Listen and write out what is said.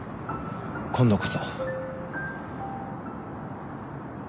今度こそ。